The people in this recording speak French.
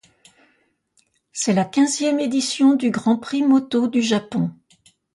C'est la quinzième édition du Grand Prix moto du Japon.